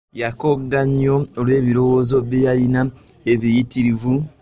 Yakogga nnyo olw'ebirowoozo bye yalina ebiyitirivu.